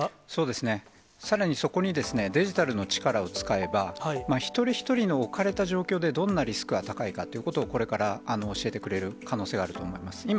さらにそこに、デジタルの力を使えば、一人一人の置かれた状況で、どんなリスクが高いかということを、これから教えてくれる可能性があると思います。